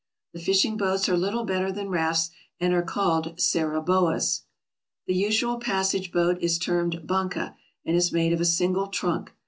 The fishing boats are little better than rafts, and are called saraboas. The usual passage boat is termed banca, and is made of a single trunk.